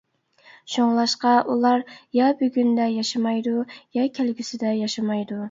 شۇڭلاشقا ئۇلار يا بۈگۈندە ياشىمايدۇ، يا كەلگۈسىدە ياشىمايدۇ.